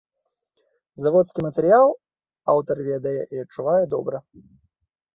Заводскі матэрыял аўтар ведае і адчувае добра.